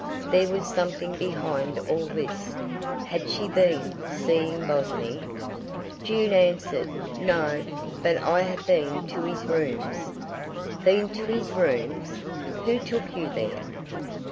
There was something behind all this—had she been seeing Bosinney? June answered: "No; but I have been to his rooms." "Been to his rooms? Who took you there?"